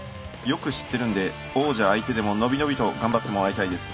よく知ってるんで王者相手でも伸び伸びと頑張ってもらいたいです。